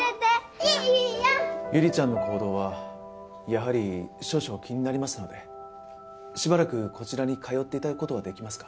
悠里ちゃんの行動はやはり少々気になりますのでしばらくこちらに通って頂く事はできますか？